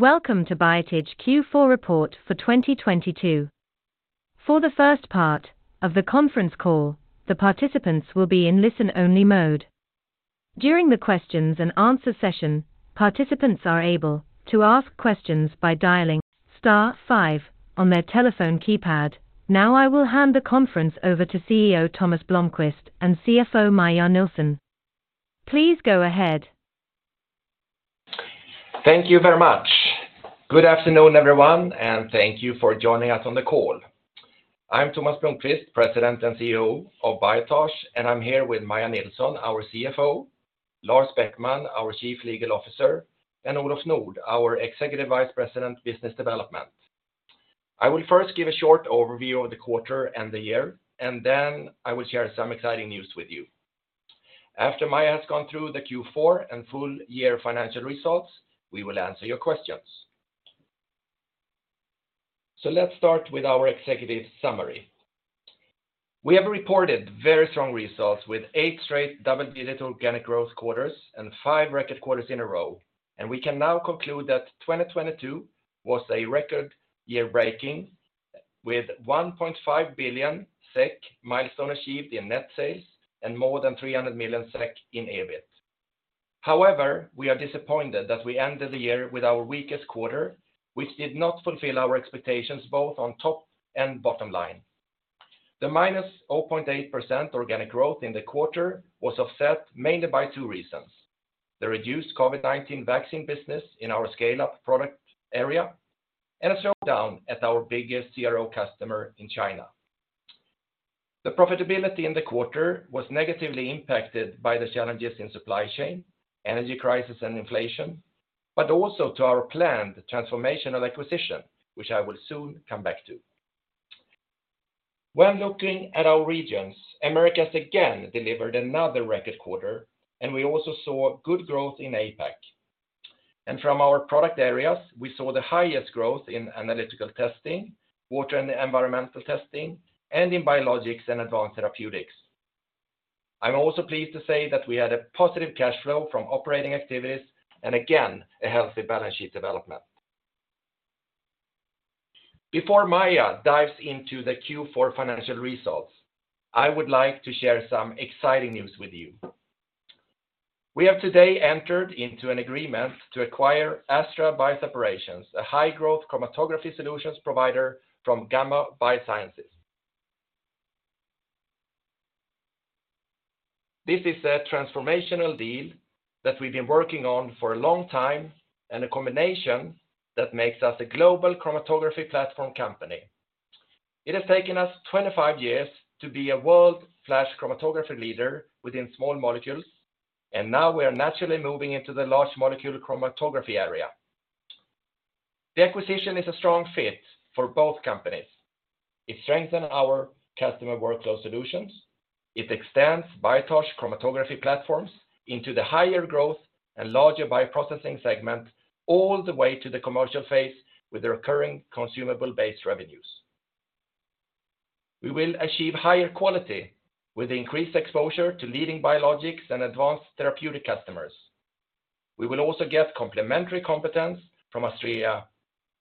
Welcome to Biotage Q4 report for 2022. For the first part of the conference call, the participants will be in listen only mode. During the questions and answer session, participants are able to ask questions by dialing star five on their telephone keypad. Now I will hand the conference over to CEO Tomas Blomquist and CFO Maja Nilsson. Please go ahead. Thank you very much. Good afternoon, everyone, and thank you for joining us on the call. I'm Tomas Blomquist, President and CEO of Biotage, and I'm here with Maja Nilsson, our CFO, Lars Backman, our Chief Legal Officer, and Olof Nordh, our Executive Vice President, Business Development. I will first give a short overview of the quarter and the year. Then I will share some exciting news with you. After Maja has gone through the Q4 and full year financial results, we will answer your questions. Let's start with our executive summary. We have reported very strong results with eight straight double-digit organic growth quarters and five record quarters in a row. We can now conclude that 2022 was a record year breaking with 1.5 billion SEK milestone achieved in net sales and more than 300 million SEK in EBIT. We are disappointed that we ended the year with our weakest quarter, which did not fulfill our expectations, both on top and bottom line. The -0.8% organic growth in the quarter was offset mainly by two reasons, the reduced COVID-19 vaccine business in our scaleup product area, and a slowdown at our biggest CRO customer in China. The profitability in the quarter was negatively impacted by the challenges in supply chain, energy crisis and inflation, but also to our planned transformational acquisition, which I will soon come back to. When looking at our regions, Americas again delivered another record quarter, we also saw good growth in APAC. From our product areas, we saw the highest growth in analytical testing, Water and Environmental Testing, and in Biologics and Advanced Therapeutics. I'm also pleased to say that we had a positive cash flow from operating activities and again, a healthy balance sheet development. Before Maja dives into the Q4 financial results, I would like to share some exciting news with you. We have today entered into an agreement to acquire Astrea Bioseparations, a high-growth chromatography solutions provider from Gamma Biosciences. This is a transformational deal that we've been working on for a long time and a combination that makes us a global chromatography platform company. It has taken us 25 years to be a world-class chromatography leader within small molecules. Now we are naturally moving into the large molecule chromatography area. The acquisition is a strong fit for both companies. It strengthens our customer workload solutions. It extends Biotage chromatography platforms into the higher growth and larger bioprocessing segment all the way to the commercial phase with the recurring consumable-based revenues. We will achieve higher quality with increased exposure to leading biologics and advanced therapeutic customers. We will also get complementary competence from Astrea,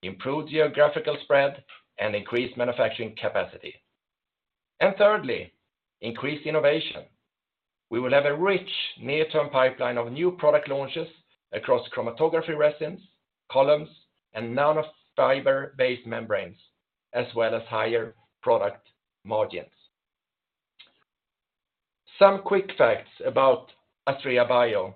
improved geographical spread, and increased manufacturing capacity. Thirdly, increased innovation. We will have a rich near-term pipeline of new product launches across chromatography resins, columns, and nanofiber-based membranes, as well as higher product margins. Some quick facts about Astrea Bio.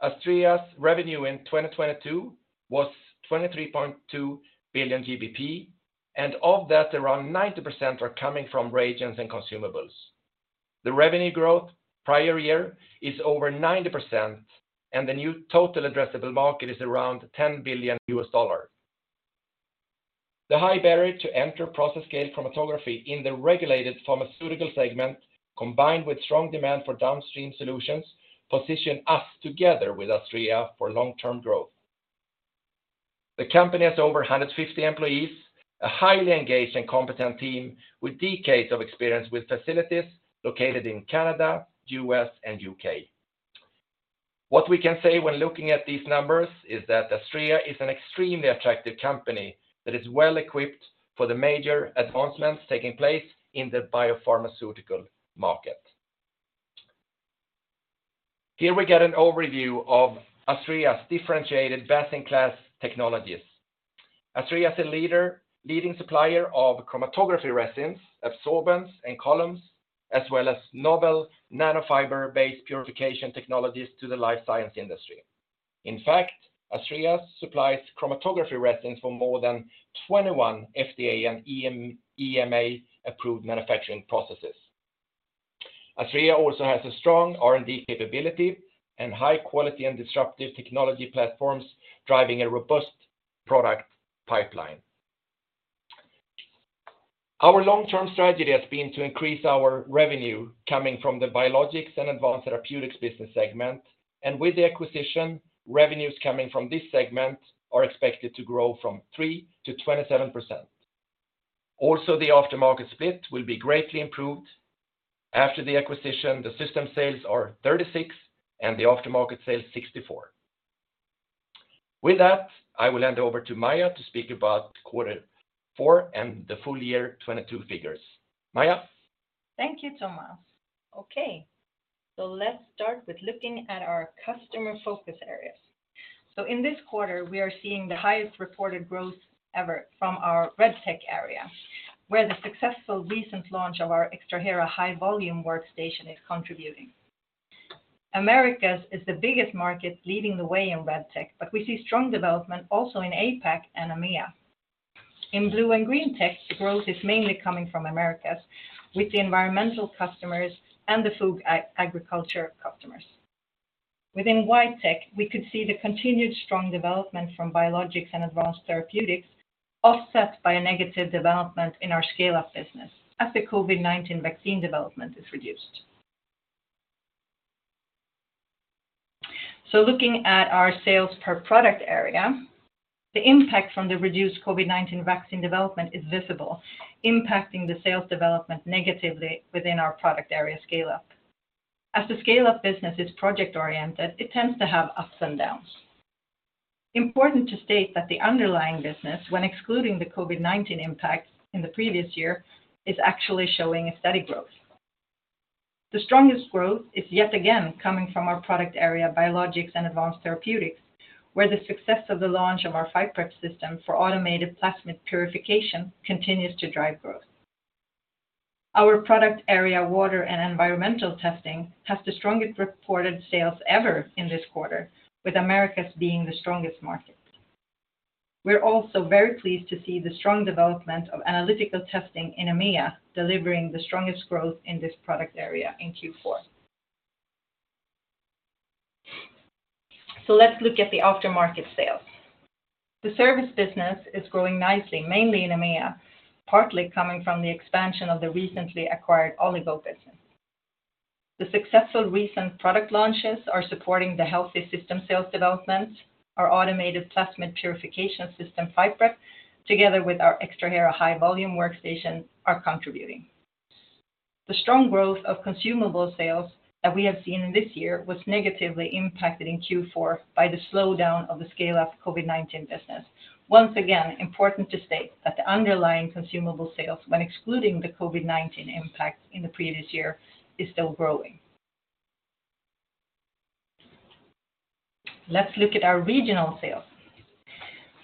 Astrea's revenue in 2022 was 23.2 billion SEK, and of that, around 90% are coming from reagents and consumables. The revenue growth prior year is over 90%, and the new total addressable market is around $10 billion. The high barrier to enter process scale chromatography in the regulated pharmaceutical segment, combined with strong demand for downstream solutions, position us together with Astrea for long-term growth. The company has over 150 employees, a highly engaged and competent team with decades of experience with facilities located in Canada, U.S., and U.K. What we can say when looking at these numbers is that Astrea is an extremely attractive company that is well equipped for the major advancements taking place in the biopharmaceutical market. Here we get an overview of Astrea's differentiated best-in-class technologies. Astrea is a leading supplier of chromatography resins, absorbance, and columns, as well as novel nanofiber-based purification technologies to the life science industry. In fact, Astrea supplies chromatography resins for more than 21 FDA and EMA approved manufacturing processes. Astrea also has a strong R&D capability and high quality and disruptive technology platforms driving a robust product pipeline. Our long-term strategy has been to increase our revenue coming from the Biologics and Advanced Therapeutics business segment. With the acquisition, revenues coming from this segment are expected to grow from 3-27%. Also, the aftermarket split will be greatly improved. After the acquisition, the system sales are 36% and the aftermarket sales 64%. I will hand over to Maja to speak about Q4 and the full year 2022 figures. Maja. Thank you, Thomas. Okay, let's start with looking at our customer focus areas. In this quarter, we are seeing the highest reported growth ever from our RedTech area, where the successful recent launch of our Extrahera high volume workstation is contributing. Americas is the biggest market leading the way in RedTech, but we see strong development also in APAC and EMEA. In Blue- and GreenTech, growth is mainly coming from Americas with the environmental customers and the food, agriculture customers. Within WhiteTech, we could see the continued strong development from Biologics and Advanced Therapeutics offset by a negative development in our scaleup business as the COVID-19 vaccine development is reduced. Looking at our sales per product area, the impact from the reduced COVID-19 vaccine development is visible, impacting the sales development negatively within our product area scaleup. As the scaleup business is project-oriented, it tends to have ups and downs. Important to state that the underlying business, when excluding the COVID-19 impact in the previous year, is actually showing a steady growth. The strongest growth is yet again coming from our product area, Biologics and Advanced Therapeutics, where the success of the launch of our PhyPrep system for automated plasmid purification continues to drive growth. Our product area, Water and Environmental Testing, has the strongest reported sales ever in this quarter, with Americas being the strongest market. We're also very pleased to see the strong development of analytical testing in EMEA, delivering the strongest growth in this product area in Q4. Let's look at the aftermarket sales. The service business is growing nicely, mainly in EMEA, partly coming from the expansion of the recently acquired Oligo business. The successful recent product launches are supporting the healthy system sales development. Our automated plasmid purification system, PhyPrep, together with our Extrahera high volume workstation, are contributing. The strong growth of consumable sales that we have seen in this year was negatively impacted in Q4 by the slowdown of the scale of COVID-19 business. Once again, important to state that the underlying consumable sales, when excluding the COVID-19 impact in the previous year, is still growing. Let's look at our regional sales.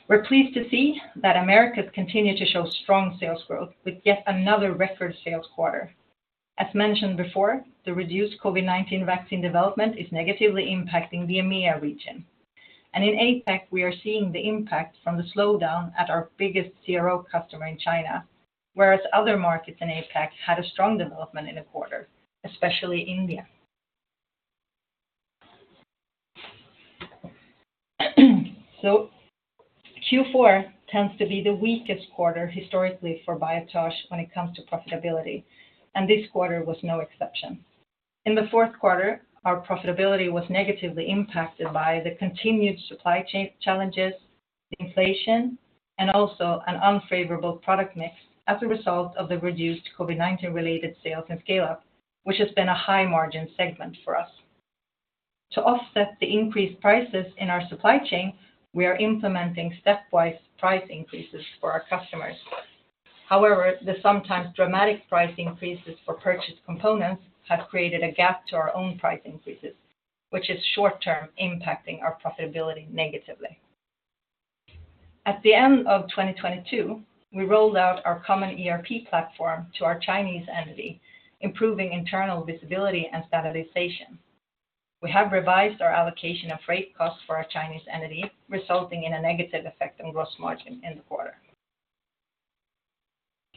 We're pleased to see that Americas continue to show strong sales growth with yet another record sales quarter. As mentioned before, the reduced COVID-19 vaccine development is negatively impacting the EMEA region. In APAC, we are seeing the impact from the slowdown at our biggest CRO customer in China, whereas other markets in APAC had a strong development in the quarter, especially India. Q4 tends to be the weakest quarter historically for Biotage when it comes to profitability, and this quarter was no exception. In the Q4 our profitability was negatively impacted by the continued supply challenges, inflation, and also an unfavorable product mix as a result of the reduced COVID-19 related sales and scaleup, which has been a high margin segment for us. To offset the increased prices in our supply chain, we are implementing stepwise price increases for our customers. The sometimes dramatic price increases for purchase components have created a gap to our own price increases, which is short term impacting our profitability negatively. At the end of 2022, we rolled out our common ERP platform to our Chinese entity, improving internal visibility and standardization. We have revised our allocation of freight costs for our Chinese entity, resulting in a negative effect on gross margin in the quarter.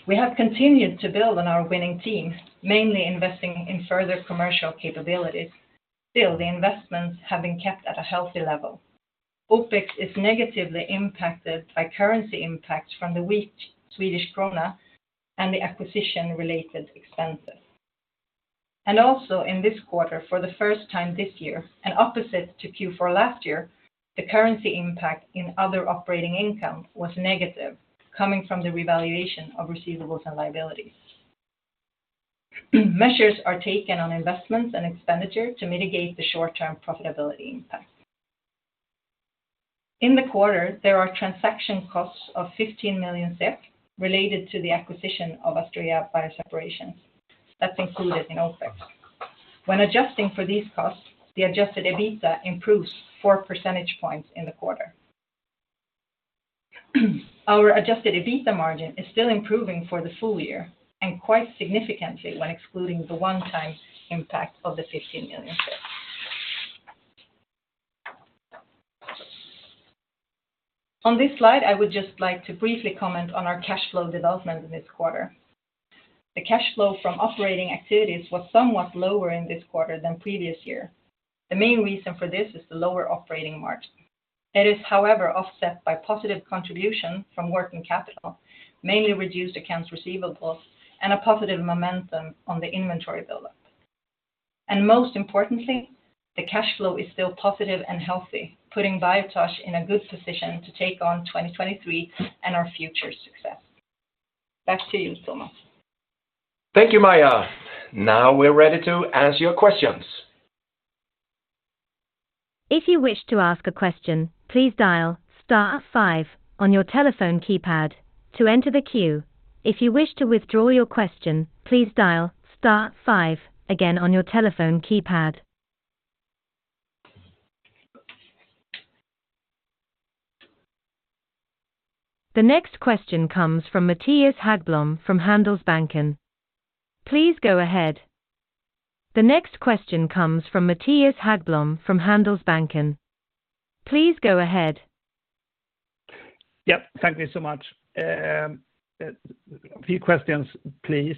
We have continued to build on our winning team, mainly investing in further commercial capabilities. Still, the investments have been kept at a healthy level. OPEX is negatively impacted by currency impacts from the weak Swedish krona and the acquisition related expenses. Also in this quarter, for the first time this year, and opposite to Q4 last year, the currency impact in other operating income was negative, coming from the revaluation of receivables and liabilities. Measures are taken on investments and expenditure to mitigate the short-term profitability impact. In the quarter, there are transaction costs of 15 million related to the acquisition of Astrea Bioseparations. That's included in OPEX. When adjusting for these costs, the adjusted EBITDA improves 4 percentage points in the quarter. Our adjusted EBITDA margin is still improving for the full year and quite significantly when excluding the one-time impact of 15 million. On this slide, I would just like to briefly comment on our cash flow development this quarter. The cash flow from operating activities was somewhat lower in this quarter than previous year. The main reason for this is the lower operating margin. It is, however, offset by positive contribution from working capital, mainly reduced accounts receivables and a positive momentum on the inventory build-up. Most importantly, the cash flow is still positive and healthy, putting Biotage in a good position to take on 2023 and our future success. Back to you, Thomas. Thank you, Maja. Now we're ready to answer your questions. If you wish to ask a question, please dial star five on your telephone keypad to enter the queue. If you wish to withdraw your question, please dial star five again on your telephone keypad. The next question comes from Mattias Häggblom from Handelsbanken. Please go ahead. Yep. Thank you so much. A few questions, please.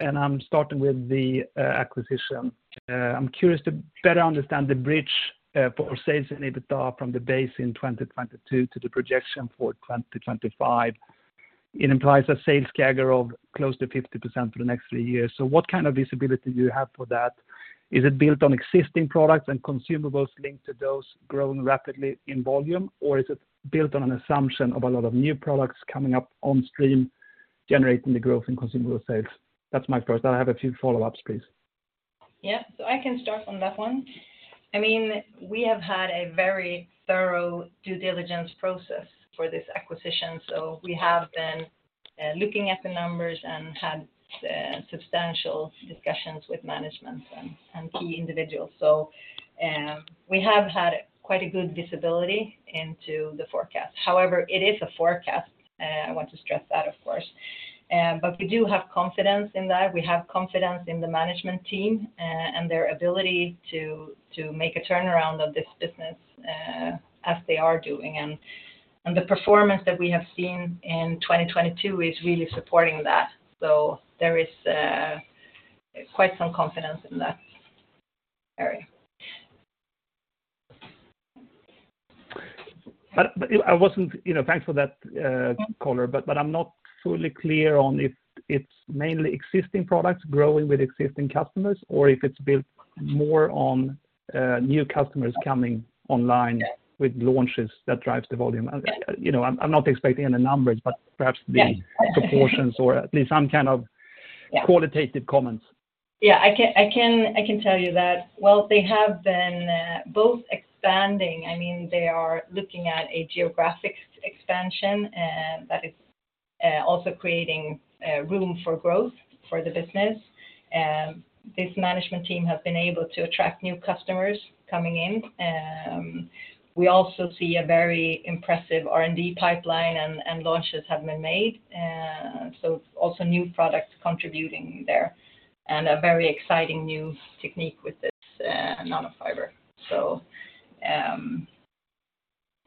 I'm starting with the acquisition. I'm curious to better understand the bridge for sales and EBITDA from the base in 2022 to the projection for 2025. It implies a sales CAGR of close to 50% for the next three years. What kind of visibility do you have for that? Is it built on existing products and consumables linked to those growing rapidly in volume, or is it built on an assumption of a lot of new products coming up on stream, generating the growth in consumable sales? That's my first. I have a few follow-ups, please. Yeah. I can start on that one. I mean, we have had a very thorough due diligence process for this acquisition. We have been looking at the numbers and had substantial discussions with management and key individuals. We have had quite a good visibility into the forecast. However, it is a forecast. I want to stress that, of course. We do have confidence in that. We have confidence in the management team and their ability to make a turnaround of this business as they are doing. The performance that we have seen in 2022 is really supporting that. There is quite some confidence in that area. I wasn't... You know, thanks for that, color, but I'm not fully clear on if it's mainly existing products growing with existing customers or if it's built more on new customers coming online with launches that drives the volume. You know, I'm not expecting any numbers, but perhaps the proportions or at least some kind of qualitative comments. Yeah. I can tell you that. Well, they have been both expanding. I mean, they are looking at a geographic expansion that is also creating room for growth for the business. This management team has been able to attract new customers coming in. We also see a very impressive R&D pipeline and launches have been made. Also new products contributing there and a very exciting new technique with this nanofiber.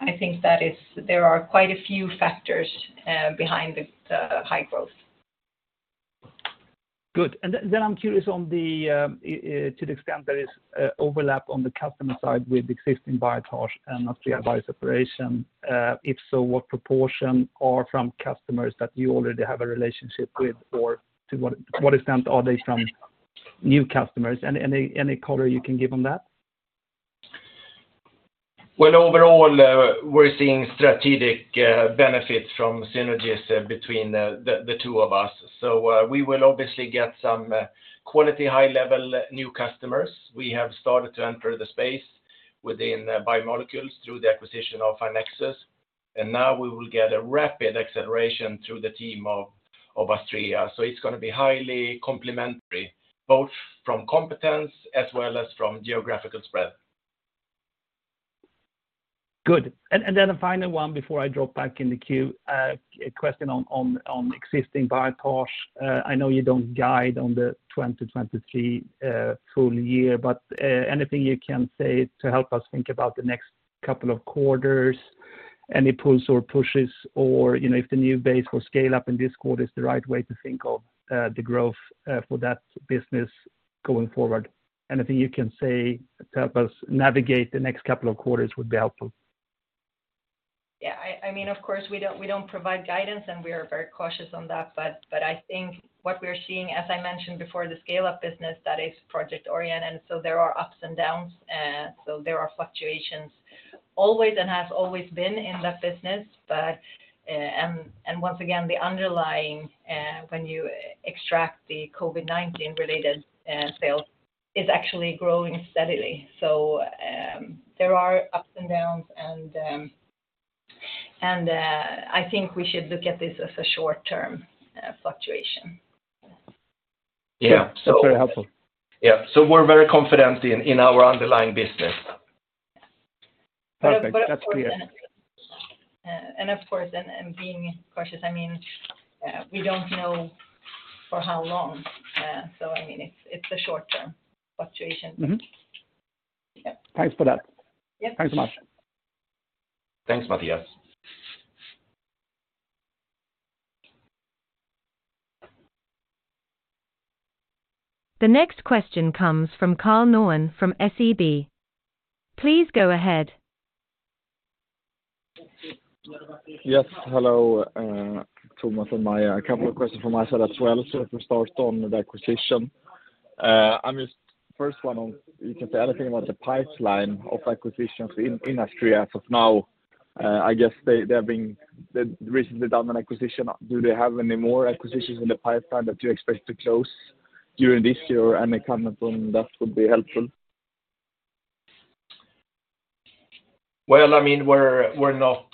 I think that is there are quite a few factors behind this high growth. Good. I'm curious on the, to the extent there is overlap on the customer side with existing Biotage and Astrea Bios operations. If so, what proportion are from customers that you already have a relationship with or to what extent are they from new customers? Any color you can give on that? Well, overall, we're seeing strategic benefits from synergies between the two of us. We will obviously get some quality high-level new customers. We have started to enter the space within biomolecules through the acquisition of PhyNexus, and now we will get a rapid acceleration through the team of Astrea. It's gonna be highly complementary, both from competence as well as from geographical spread. Good. Then a final one before I drop back in the queue. A question on existing Biotage. I know you don't guide on the 2023 full year, but anything you can say to help us think about the next couple of quarters, any pulls or pushes or, you know, if the new base for scale-up in this quarter is the right way to think of the growth for that business going forward? Anything you can say to help us navigate the next couple of quarters would be helpful. I mean, of course, we don't provide guidance, and we are very cautious on that. I think what we're seeing, as I mentioned before, the scale-up business, that is project-oriented, so there are ups and downs. There are fluctuations always and has always been in that business. And once again, the underlying when you extract the COVID-19 related sales, is actually growing steadily. There are ups and downs and I think we should look at this as a short-term fluctuation. Yeah. That's very helpful. Yeah. We're very confident in our underlying business. Perfect. That's clear. Of course, and being cautious, I mean, we don't know for how long. I mean, it's a short-term fluctuation. Mm-hmm. Yeah. Thanks for that. Yep. Thanks so much. Thanks, Matthias. The next question comes from Carl Norell from SEB. Please go ahead. Yes. Hello, Tomas and Maja. A couple of questions from my side as well. If we start on the acquisition, I mean, first one on, you can say anything about the pipeline of acquisitions in Astrea as of now, I guess they've recently done an acquisition. Do they have any more acquisitions in the pipeline that you expect to close during this year? Any comment on that would be helpful. Well, I mean, we're not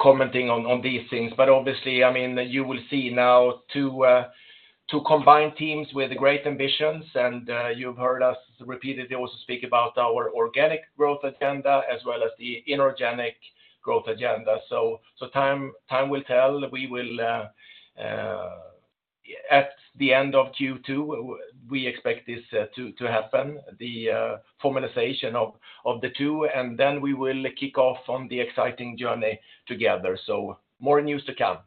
commenting on these things, but obviously, I mean, you will see now two combined teams with great ambitions. You've heard us repeatedly also speak about our organic growth agenda as well as the inorganic growth agenda. Time will tell. We will at the end of Q2, we expect this to happen, the formalization of the two, then we will kick off on the exciting journey together. More news to come.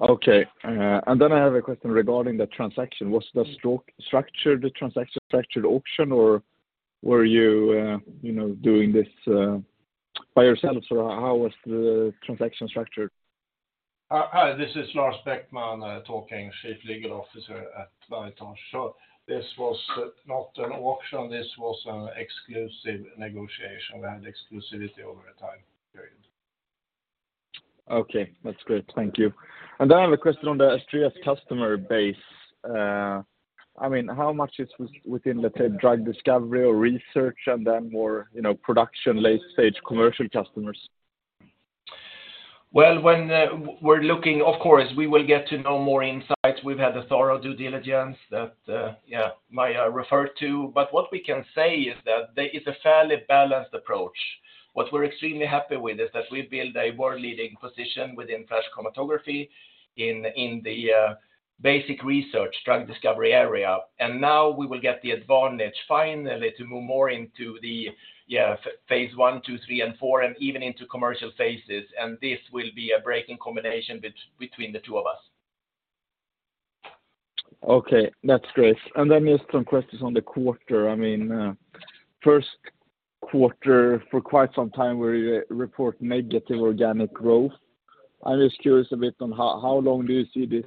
Okay. I have a question regarding the transaction. Was the structure, the transaction structured auction, or were you know, doing this by yourself, or how was the transaction structured? Hi, this is Lars Bäckman talking, Chief Legal Officer at Biotage. This was not an auction. This was an exclusive negotiation. We had exclusivity over a time period. Okay, that's great. Thank you. I have a question on the Astrea's customer base. I mean, how much is within, let's say, drug discovery or research and then more, you know, production late stage commercial customers? Well, when we're looking... Of course, we will get to know more insights. We've had a thorough due diligence that, yeah, Maja referred to. What we can say is that there is a fairly balanced approach. What we're extremely happy with is that we build a world leading position within flash chromatography in the basic research drug discovery area. Now we will get the advantage finally to move more into the, yeah, phase I, II, III, and IV, and even into commercial phases, and this will be a breaking combination between the two of us. Okay, that's great. Then just some questions on the quarter. I mean, Q1 for quite some time where you report negative organic growth. I'm just curious a bit on how long do you see this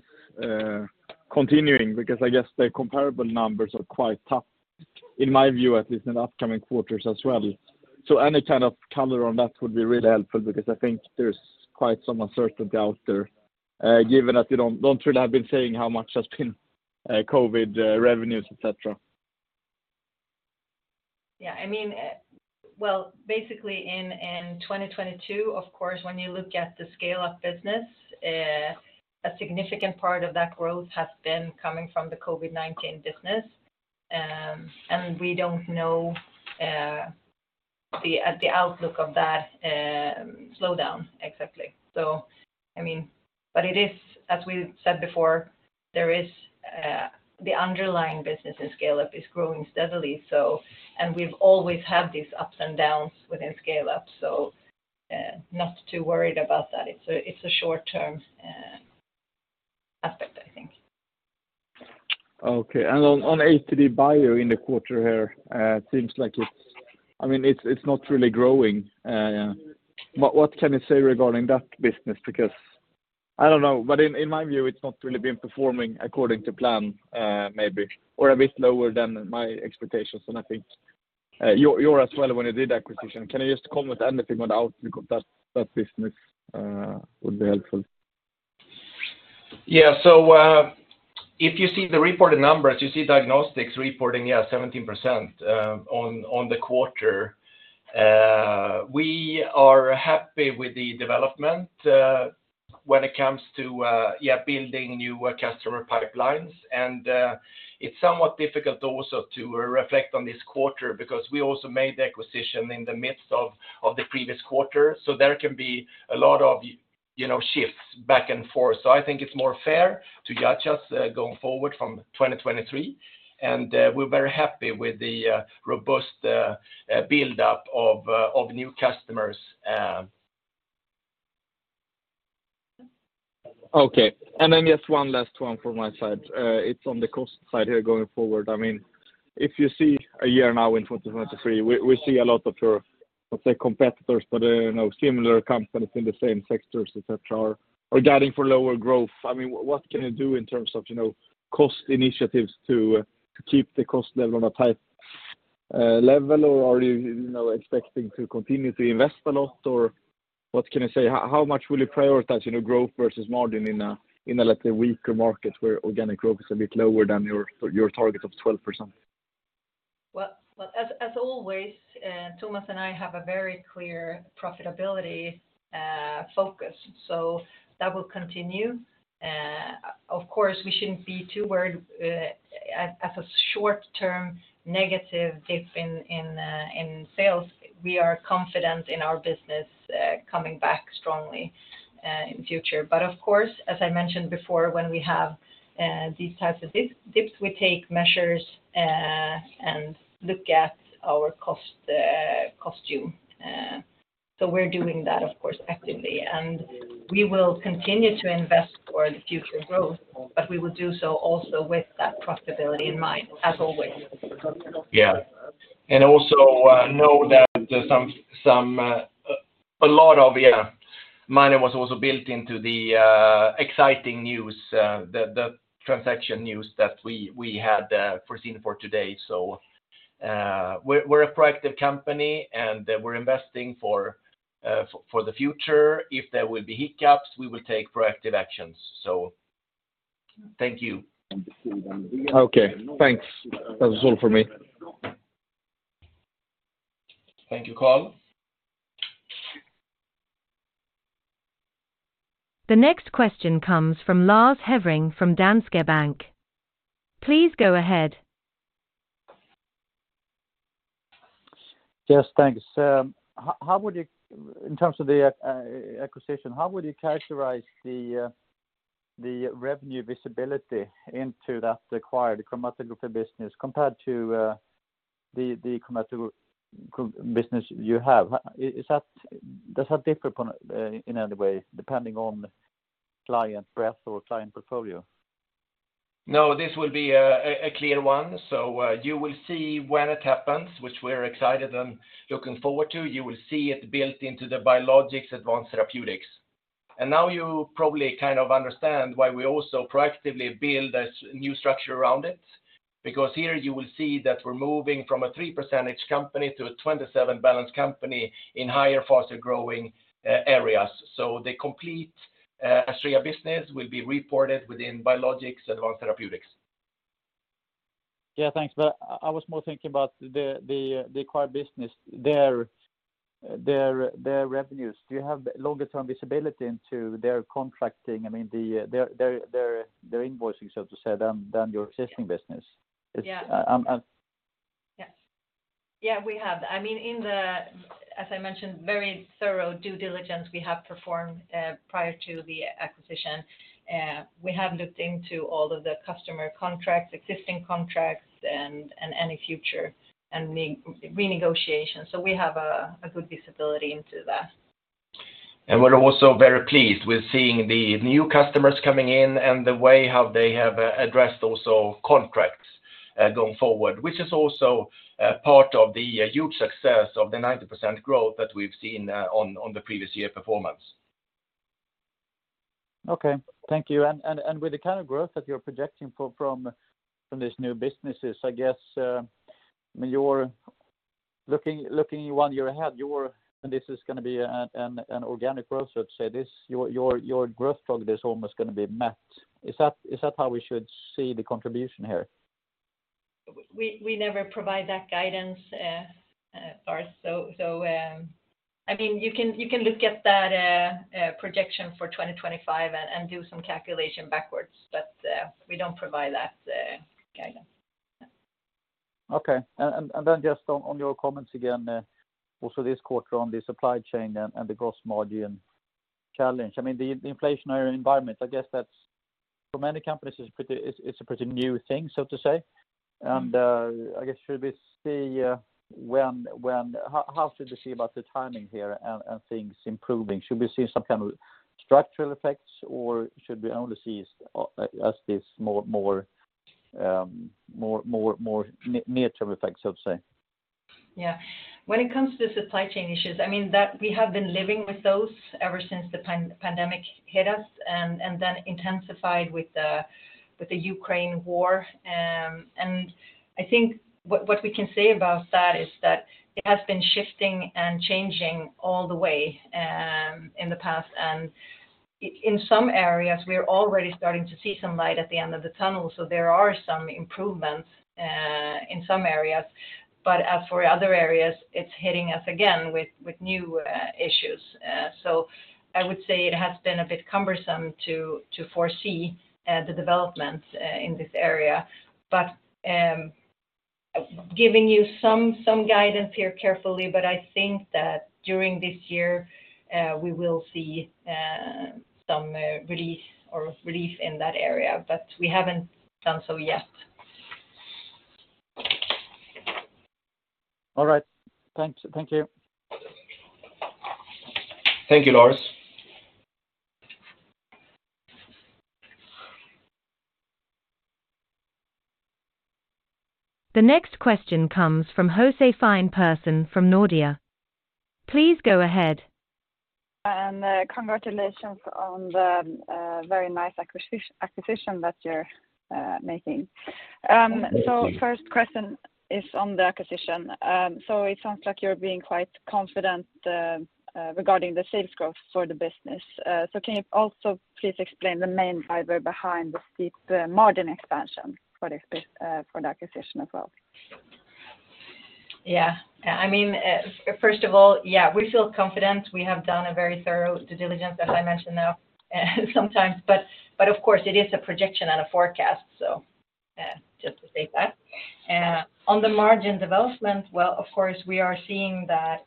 continuing? I guess the comparable numbers are quite tough in my view, at least in the upcoming quarters as well. Any kind of color on that would be really helpful because I think there's quite some uncertainty out there, given that you don't really have been saying how much has been COVID revenues, et cetera. I mean, well, basically in 2022, of course, when you look at the scale of business, a significant part of that growth has been coming from the COVID-19 business. We don't know the outlook of that slow down exactly. I mean. It is, as we said before, there is the underlying business in scale-up is growing steadily. We've always had these ups and downs within scale-up. Not too worried about that. It's a short term aspect, I think. Okay. On ATDBio in the quarter here, seems like it's not really growing. What can you say regarding that business? I don't know, but in my view, it's not really been performing according to plan, maybe, or a bit lower than my expectations. I think your as well when you did acquisition. Can you just comment anything on the outlook of that business, would be helpful. If you see the reported numbers, you see diagnostics reporting, 17% on the quarter. We are happy with the development when it comes to building new customer pipelines. It's somewhat difficult also to reflect on this quarter because we also made the acquisition in the midst of the previous quarter. There can be a lot of, you know, shifts back and forth. I think it's more fair to judge us going forward from 2023. We're very happy with the robust buildup of new customers. Okay. Just one last one from my side. It's on the cost side here going forward. I mean, if you see a year now in 2023, we see a lot of your, let's say, competitors, but, you know, similar companies in the same sectors, et cetera, are guiding for lower growth. I mean, what can you do in terms of, you know, cost initiatives to keep the cost level on a tight level? Are you know, expecting to continue to invest a lot? What can you say? How much will you prioritize, you know, growth versus margin in a, in a, let's say, weaker market where organic growth is a bit lower than your target of 12%? Well, as always, Tomas and I have a very clear profitability focus, so that will continue. Of course, we shouldn't be too worried at a short term negative dip in sales. We are confident in our business coming back strongly in future. Of course, as I mentioned before, when we have these types of dips, we take measures and look at our cost, costume. We're doing that of course actively, and we will continue to invest for the future growth, but we will do so also with that profitability in mind as always. Yeah. Also, know that A lot of, yeah, money was also built into the exciting news, the transaction news that we had foreseen for today. We're a proactive company, and we're investing for the future. If there will be hiccups, we will take proactive actions. Thank you. Okay. Thanks. That was all for me. Thank you, Carl. The next question comes from Lars Hevreng from Danske Bank. Please go ahead. Yes, thanks. In terms of the acquisition, how would you characterize the revenue visibility into that acquired chromatography business compared to the chromatography business you have? Does that differ from in any way, depending on client breadth or client portfolio? No, this will be a clear one. You will see when it happens, which we're excited and looking forward to, you will see it built into the Biologics Advanced Therapeutics. Now you probably kind of understand why we also proactively build a new structure around it, because here you will see that we're moving from a 3% company to a 27 balanced company in higher, faster-growing areas. The complete Astrea business will be reported within Biologics Advanced Therapeutics. Yeah, thanks. I was more thinking about the acquired business, their revenues. Do you have longer-term visibility into their contracting? I mean, their invoicing, so to say, than your existing business? Yeah. It's. Yes. Yeah, we have. I mean, as I mentioned, very thorough due diligence we have performed prior to the acquisition, we have looked into all of the customer contracts, existing contracts and any future renegotiation. We have a good visibility into that. We're also very pleased with seeing the new customers coming in and the way how they have addressed those sort of contracts going forward, which is also part of the huge success of the 90% growth that we've seen on the previous year performance. Okay. Thank you. With the kind of growth that you're projecting for from these new businesses, I guess, you're looking one year ahead. This is gonna be an organic growth, so to say. This, your growth target is almost gonna be met. Is that how we should see the contribution here? We never provide that guidance, Lars. I mean, you can look at that projection for 2025 and do some calculation backwards, we don't provide that guidance. Okay. Just on your comments again, also this quarter on the supply chain and the gross margin challenge. I mean, the inflationary environment, I guess that's, for many companies it's a pretty new thing, so to say. Mm-hmm. I guess should we see, when... How should we see about the timing here and things improving? Should we see some kind of structural effects, or should we only see as this more near-term effects, so to say? Yeah. When it comes to supply chain issues, I mean, that we have been living with those ever since the pandemic hit us and then intensified with the Ukraine war. I think what we can say about that is that it has been shifting and changing all the way in the past. In some areas, we're already starting to see some light at the end of the tunnel, so there are some improvements in some areas. As for other areas, it's hitting us again with new issues. I would say it has been a bit cumbersome to foresee the development in this area. Giving you some guidance here carefully, but I think that during this year, we will see some relief or relief in that area, but we haven't done so yet. All right. Thanks. Thank you. Thank you, Lars. The next question comes from Josefine Persson from Nordea. Please go ahead. Congratulations on the very nice acquisition that you're making. Thank you. First question is on the acquisition. It sounds like you're being quite confident regarding the sales growth for the business. Can you also please explain the main driver behind the steep margin expansion for the acquisition as well? Yeah. I mean, first of all, yeah, we feel confident. We have done a very thorough due diligence, as I mentioned now, sometimes. Of course, it is a projection and a forecast. Just to state that. On the margin development, well, of course, we are seeing that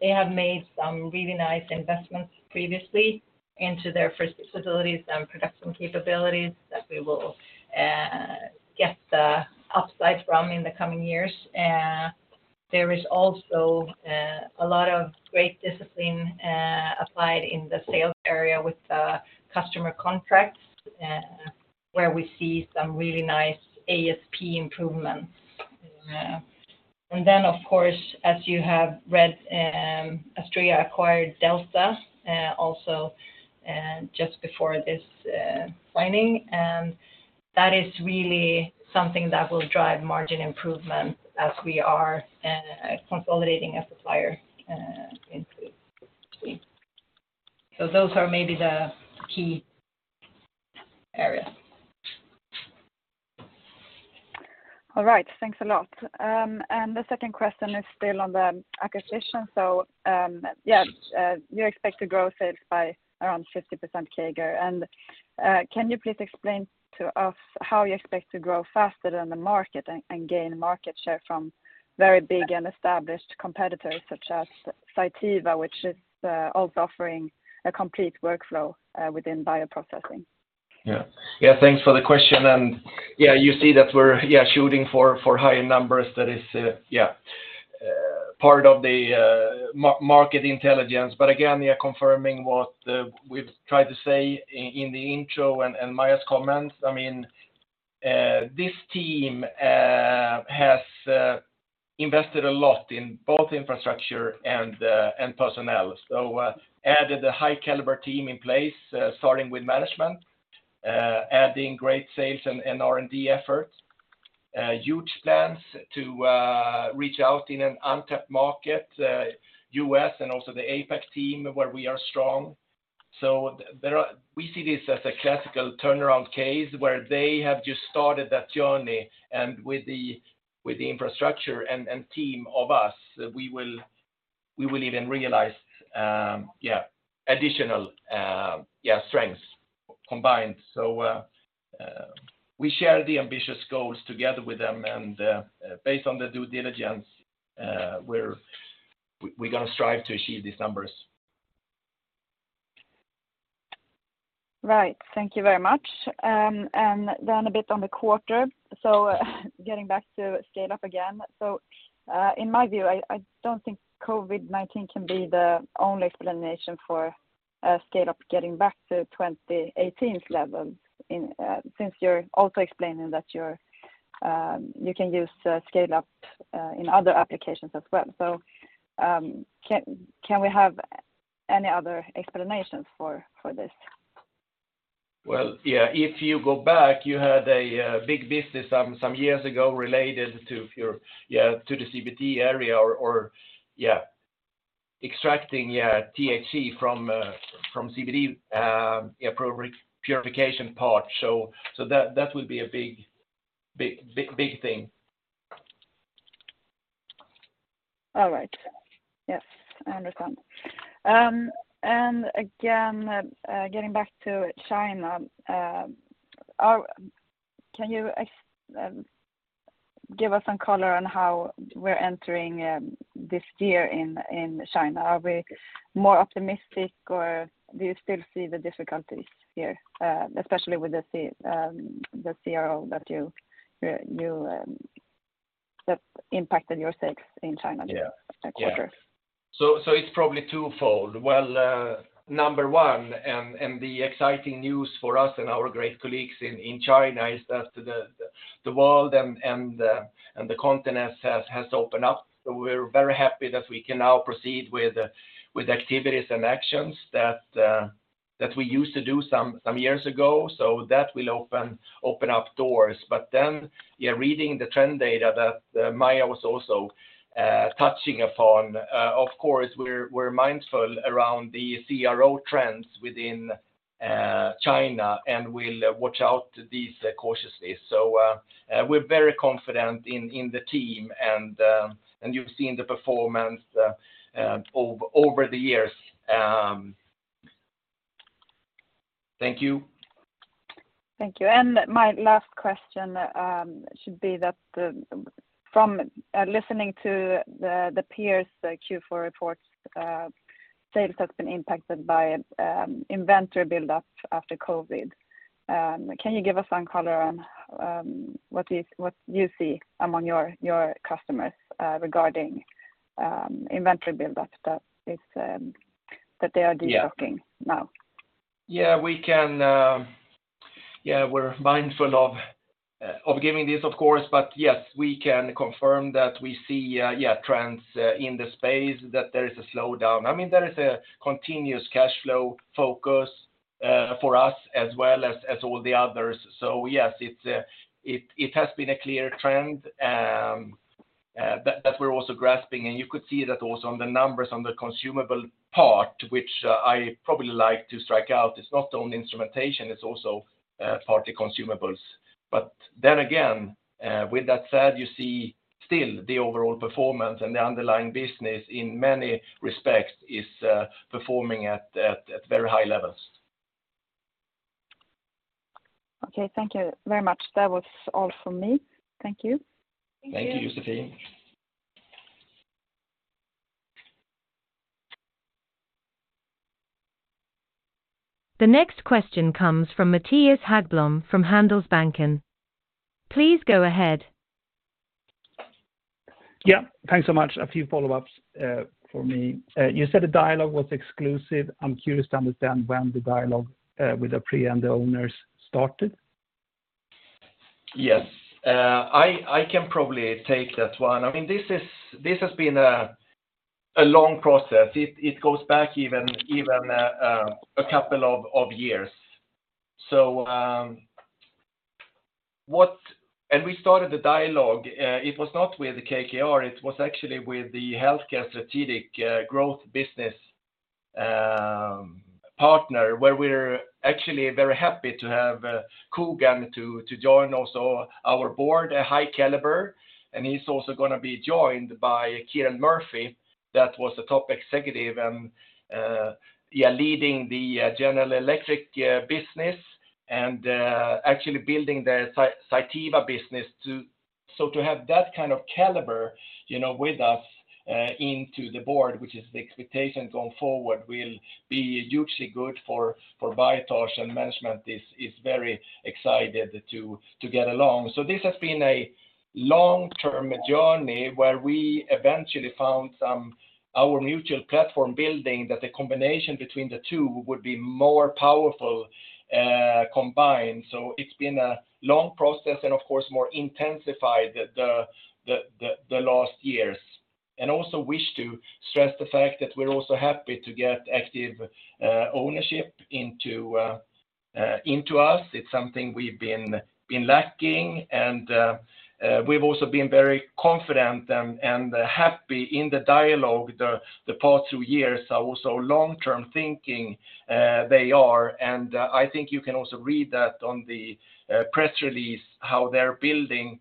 they have made some really nice investments previously into their first facilities and production capabilities that we will get the upside from in the coming years. There is also a lot of great discipline applied in the sales area with the customer contracts. Where we see some really nice ASP improvements. Then, of course, as you have read, Astrea acquired Delta, also, just before this signing. That is really something that will drive margin improvement as we are, consolidating a supplier, into. Those are maybe the key areas. All right. Thanks a lot. The second question is still on the acquisition. You expect to grow sales by around 50% CAGR. Can you please explain to us how you expect to grow faster than the market and gain market share from very big and established competitors such as Cytiva, which is also offering a complete workflow within bioprocessing? Yeah, thanks for the question. You see that we're shooting for higher numbers. That is part of the market intelligence. Again, confirming what we've tried to say in the intro and Maja's comments. I mean, this team has invested a lot in both infrastructure and personnel. Added a high caliber team in place, starting with management, adding great sales and R&D efforts. Huge plans to reach out in an untapped market, U.S. and also the APAC team where we are strong. We see this as a classical turnaround case where they have just started that journey. With the infrastructure and team of us, we will even realize additional strengths combined. We share the ambitious goals together with them. Based on the due diligence, we're gonna strive to achieve these numbers. Right. Thank you very much. Then a bit on the quarter. Getting back to scale-up again. In my view, I don't think COVID-19 can be the only explanation for scale-up getting back to 2018's levels in since you're also explaining that you're, you can use scale-up in other applications as well. Can we have any other explanations for this? If you go back, you had a big business some years ago related to your to the CBD area or extracting THC from CBD purification part. That would be a big thing. All right. Yes, I understand. Again, getting back to China, give us some color on how we're entering this year in China? Are we more optimistic, or do you still see the difficulties here, especially with the CRO that you that impacted your sales in China this quarter? Yeah. Yeah. It's probably twofold. Well, number one, and the exciting news for us and our great colleagues in China is that the world and the continent has opened up. We're very happy that we can now proceed with activities and actions that we used to do some years ago. That will open up doors. Yeah, reading the trend data that Maja was also touching upon, of course, we're mindful around the CRO trends within China, and we'll watch out these cautiously. We're very confident in the team and you've seen the performance over the years. Thank you. Thank you. My last question, should be that, from listening to the peers' Q4 reports, sales has been impacted by inventory build-up after COVID. Can you give us some color on what you see among your customers regarding inventory build-up that is that they are de-stocking now? Yeah. Yeah, we can. Yeah, we're mindful of giving this, of course, but yes, we can confirm that we see, yeah, trends, in the space that there is a slowdown. I mean, there is a continuous cash flow focus, for us as well as all the others. Yes, it's, it has been a clear trend, that we're also grasping. You could see that also on the numbers on the consumable part, which, I probably like to strike out. It's not only instrumentation, it's also, partly consumables. Then again, with that said, you see still the overall performance and the underlying business in many respects is, performing at very high levels. Okay. Thank you very much. That was all from me. Thank you. Thank you. Thank you, Josephine. The next question comes from Mattias Häggblom from Handelsbanken. Please go ahead. Yeah. Thanks so much. A few follow-ups for me. You said the dialogue was exclusive. I'm curious to understand when the dialogue with the pre and the owners started. Yes. I can probably take that one. I mean, this has been a long process. It goes back even a couple of years. We started the dialogue. It was not with KKR, it was actually with the healthcare strategic growth business partner, where we're actually very happy to have Kugan to join our board, a high caliber. He's also gonna be joined by Kieran Murphy, that was the top executive and, yeah, leading the General Electric business and actually building the Cytiva business. To have that kind of caliber, you know, with us into the board, which is the expectation going forward, will be hugely good for Biotage, and management is very excited to get along. This has been a long-term journey where we eventually found our mutual platform building, that the combination between the two would be more powerful, combined. It's been a long process and of course, more intensified the last years. Also wish to stress the fact that we're also happy to get active ownership into us. It's something we've been lacking. We've also been very confident and happy in the dialogue the past two years, are also long-term thinking, they are. I think you can also read that on the press release, how they're building.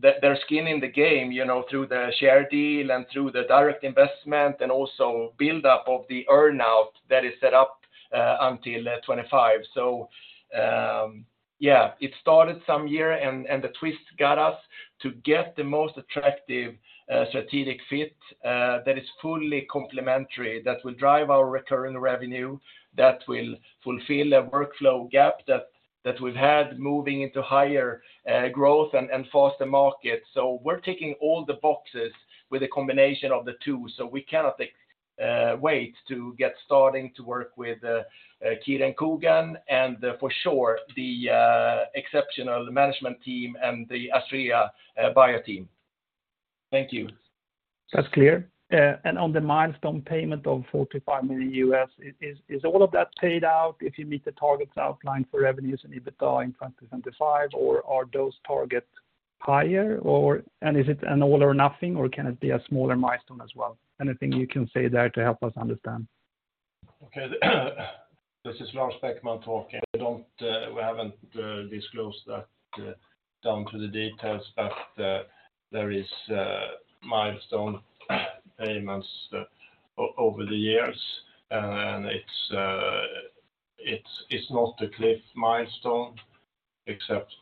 Their skin in the game, you know, through the share deal and through the direct investment, and also build up of the earn out that is set up until 25. yeah, it started some year, and the twist got us to get the most attractive strategic fit that is fully complementary, that will drive our recurring revenue, that will fulfill a workflow gap that we've had moving into higher growth and foster markets. We're ticking all the boxes with a combination of the two. We cannot wait to get starting to work with Kieran, Kugan, and for sure, the exceptional management team and the Astrea Bio team. Thank you. That's clear. On the milestone payment of $45 million, is all of that paid out if you meet the targets outlined for revenues and EBITDA in 2025, or are those targets higher, or is it an all or nothing, or can it be a smaller milestone as well? Anything you can say there to help us understand? Okay. This is Lars Backman talking. We don't, we haven't disclosed that down to the details, but there is milestone payments over the years, and it's not a cliff milestone except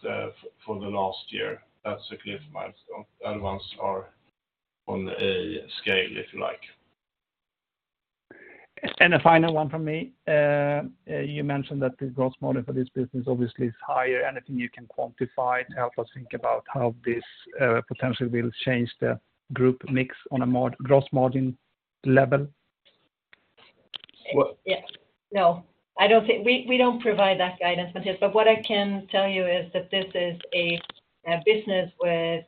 for the last year. That's a cliff milestone. Other ones are on a scale, if you like. A final one from me. You mentioned that the gross margin for this business obviously is higher. Anything you can quantify to help us think about how this potentially will change the group mix on a gross margin level? Well Yeah. No, I don't think. We don't provide that guidance, Mattias. What I can tell you is that this is a business with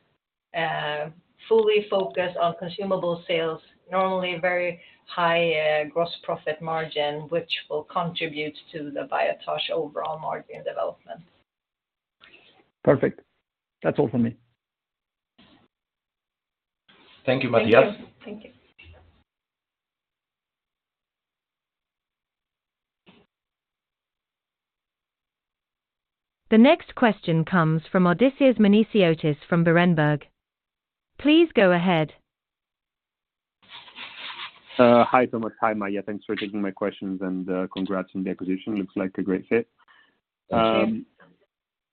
fully focused on consumable sales, normally very high gross profit margin, which will contribute to the Cytiva overall margin development. Perfect. That's all for me. Thank you, Matthias. Thank you. Thank you. The next question comes from Odysseas Manesiotis from Berenberg. Please go ahead. Hi, Tomas. Hi, Maja. Thanks for taking my questions, and congrats on the acquisition. Looks like a great fit.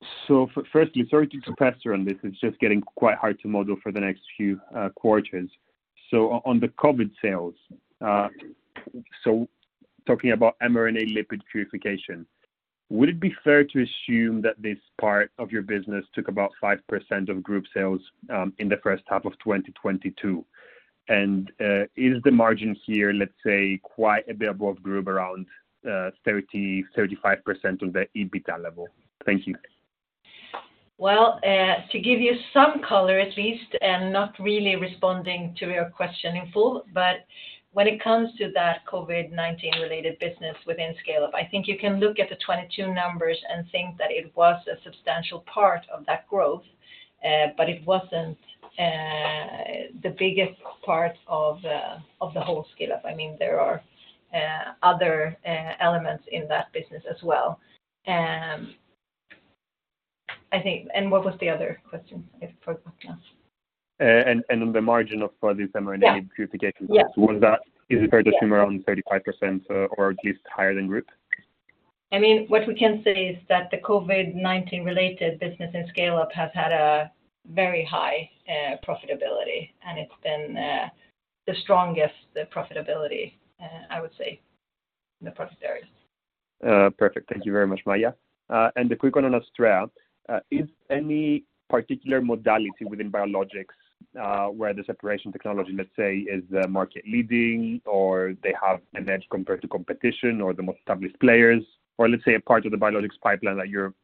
Thank you. Firstly, sorry to press you on this. It's just getting quite hard to model for the next few quarters. On the COVID sales, talking about mRNA lipid purification, would it be fair to assume that this part of your business took about 5% of group sales in the first half of 2022? Is the margin here, let's say, quite above group, around 30-35% of the EBITDA level? Thank you. To give you some color at least, and not really responding to your question in full, but when it comes to that COVID-19 related business within scale-up, I think you can look at the 22 numbers and think that it was a substantial part of that growth, but it wasn't the biggest part of the whole scale-up. I mean, there are other elements in that business as well. What was the other question for Tomas? on the margin of, for the mRNA. Yeah... purification costs. Yeah was that, is it fair to assume around 35% or at least higher than group? I mean, what we can say is that the COVID-19 related business in scale-up has had a very high profitability, and it's been the strongest profitability, I would say, in the profit areas. Perfect. Thank you very much, Maja. A quick one on Astrea. Is any particular modality within biologics, where the separation technology, let's say, is market leading or they have an edge compared to competition or the most established players? Or let's say a part of the biologics pipeline that you're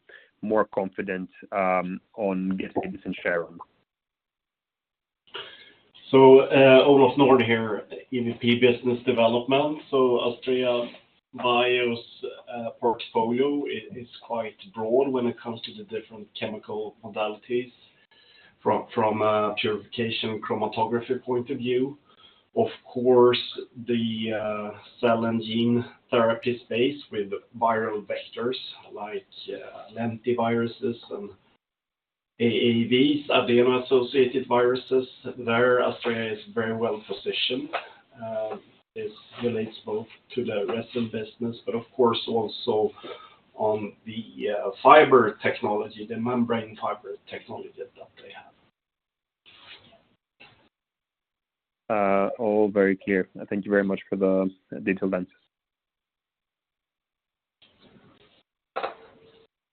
more confident on getting a decent share on? Olof Nordh, EVP Business Development. Astrea Bio portfolio is quite broad when it comes to the different chemical modalities from a purification chromatography point of view. Of course, the cell and gene therapy space with viral vectors like lentiviruses and AAVs, adeno-associated viruses. There, Astrea is very well-positioned as relates both to the rest of the business, but of course also on the fiber technology, the membrane fiber technology that they have. All very clear. Thank you very much for the detailed answer.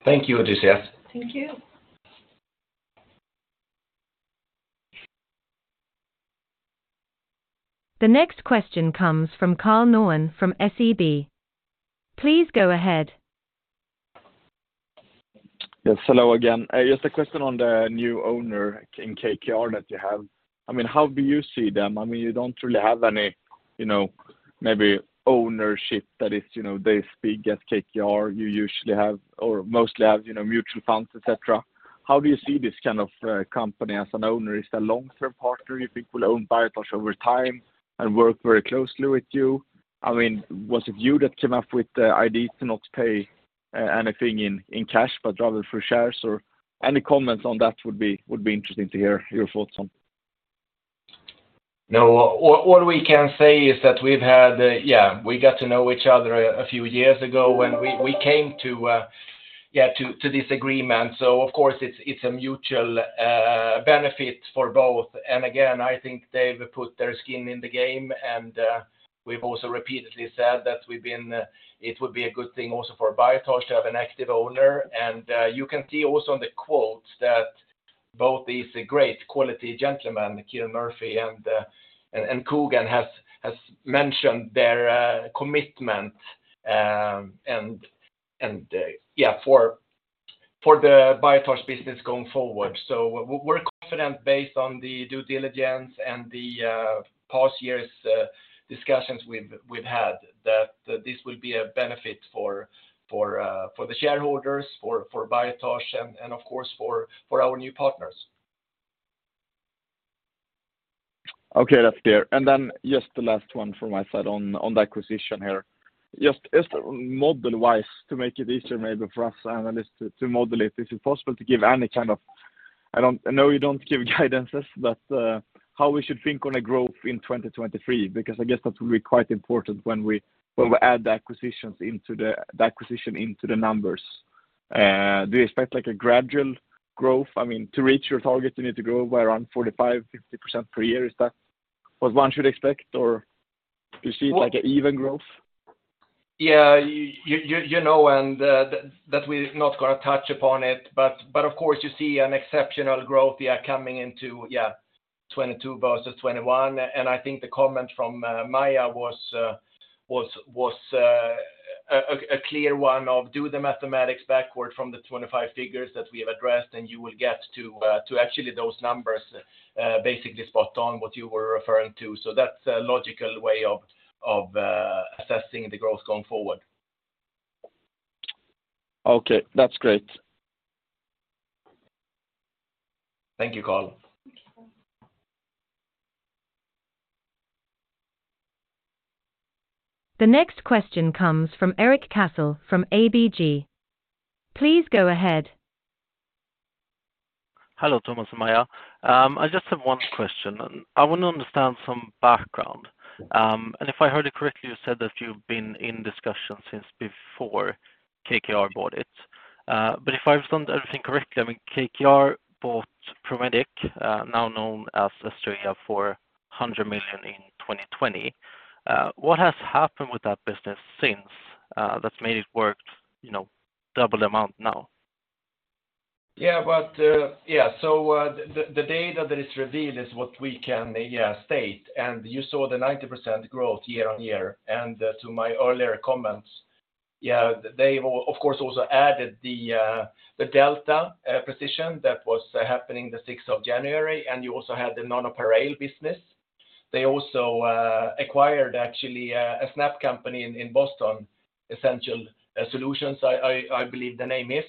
Thank you, Odysseus. Thank you. The next question comes from Carl Nolan from SEB. Please go ahead. Yes. Hello again. Just a question on the new owner in KKR that you have. I mean, how do you see them? I mean, you don't really have any, you know, maybe ownership that is, you know, they speak as KKR. You usually have or mostly have, you know, mutual funds, et cetera. How do you see this kind of company as an owner? Is it a long-term partner you think will own Biotage over time and work very closely with you? I mean, was it you that came up with the idea to not pay anything in cash, but rather through shares, or any comments on that would be interesting to hear your thoughts on? No. What we can say is that we've had, we got to know each other a few years ago when we came to this agreement. Of course, it's a mutual benefit for both. Again, I think they've put their skin in the game. We've also repeatedly said that it would be a good thing also for Biotage to have an active owner. You can see also in the quotes that both these great quality gentlemen, Kieran Murphy and Kugan, has mentioned their commitment and for the Biotage business going forward. We're confident based on the due diligence and the past years' discussions we've had that this will be a benefit for the shareholders, for Biotage and of course, for our new partners. Okay. That's clear. Then just the last one from my side on the acquisition here. Just model-wise, to make it easier maybe for us analysts to model it, is it possible to give any kind of... I know you don't give guidances, but how we should think on a growth in 2023, because I guess that will be quite important when we add the acquisition into the numbers? Do you expect, like, a gradual growth? I mean, to reach your target, you need to grow by around 45-50% per year. Is that what one should expect? Do you see it like an even growth? Yeah. You know, that we're not gonna touch upon it, of course you see an exceptional growth coming into 2022 versus 2021. I think the comment from Maja was a clear one of do the mathematics backward from the 25 figures that we have addressed, you will get to actually those numbers basically spot on what you were referring to. That's a logical way of assessing the growth going forward. Okay, that's great. Thank you, Carl. Thank you, Carl. The next question comes from Eric Castle from ABG. Please go ahead. Hello, Tomas and Maja. I just have one question. I want to understand some background. If I heard it correctly, you said that you've been in discussions since before KKR bought it. If I've done everything correctly, I mean, KKR bought Prometic, now known as Astrea, for $100 million in 2020. What has happened with that business since that's made it worth, you know, double the amount now? Yeah. The data that is revealed is what we can, state. You saw the 90% growth year-on-year. To my earlier comments, they of course also added the Delta position that was happening the 6th of January. You also had the Nanopareil business. They also acquired actually a snap company in Boston, Essential Life Solutions, I believe the name is.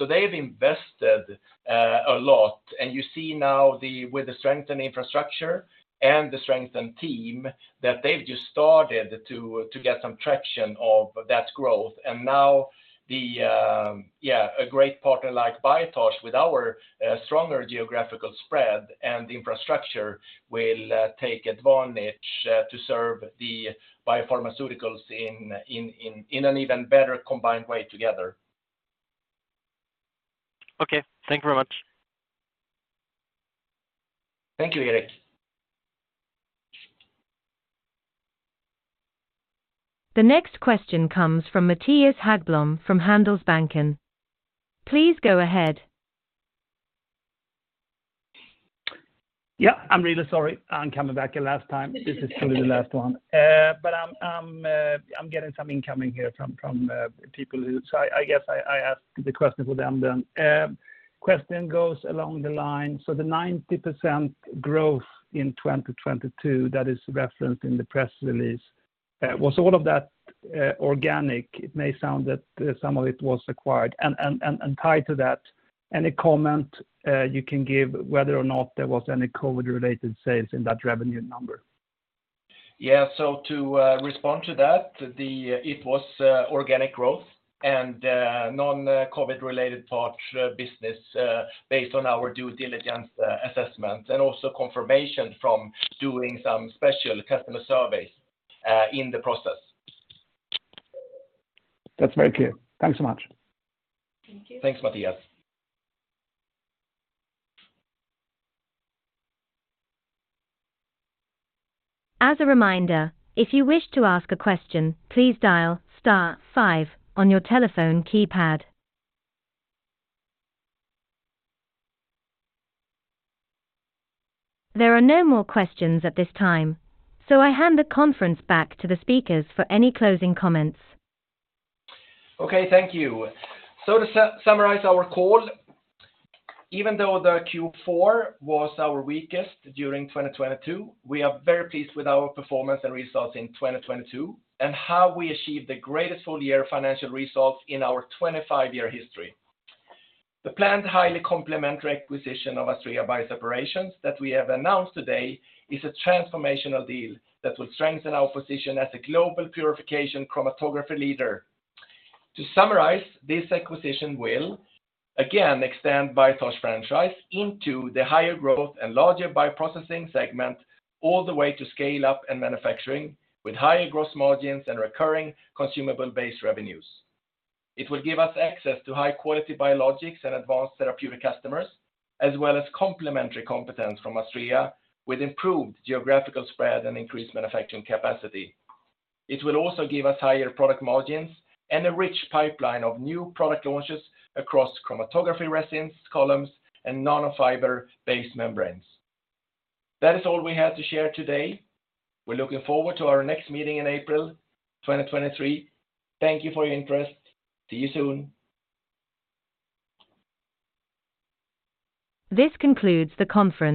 They've invested a lot. You see now with the strength and infrastructure and the strength and team, that they've just started to get some traction of that growth. Now the, yeah, a great partner like Biotage with our stronger geographical spread and infrastructure will take advantage to serve the biopharmaceuticals in an even better combined way together. Okay. Thank you very much. Thank you, Erik. The next question comes from Mattias Häggblom from Handelsbanken. Please go ahead. Yeah, I'm really sorry. I'm coming back a last time. This is truly the last one. I'm getting some incoming here from people who. I guess I ask the question for them then. Question goes along the lines. The 90% growth in 2022 that is referenced in the press release, was all of that organic? It may sound that some of it was acquired. Tied to that, any comment you can give whether or not there was any COVID-related sales in that revenue number? Yeah. To respond to that, it was organic growth and non-COVID related TORCH business based on our due diligence assessment, and also confirmation from doing some special customer surveys in the process. That's very clear. Thanks so much. Thank you. Thanks, Mattias. As a reminder, if you wish to ask a question, please dial star five on your telephone keypad. There are no more questions at this time. I hand the conference back to the speakers for any closing comments. Thank you. To summarize our call, even though the Q4 was our weakest during 2022, we are very pleased with our performance and results in 2022 and how we achieved the greatest full year financial results in our 25-year history. The planned highly complementary acquisition of Astrea Bioseparations that we have announced today is a transformational deal that will strengthen our position as a global purification chromatography leader. To summarize, this acquisition will again extend Biotage franchise into the higher growth and larger bioprocessing segment all the way to scale up and manufacturing with higher gross margins and recurring consumable-based revenues. It will give us access to high quality Biologics and Advanced Therapeutics customers, as well as complementary competence from Astrea with improved geographical spread and increased manufacturing capacity. It will also give us higher product margins and a rich pipeline of new product launches across chromatography resins, columns, and nanofiber-based membranes. That is all we have to share today. We're looking forward to our next meeting in April 2023. Thank you for your interest. See you soon. This concludes the conference call.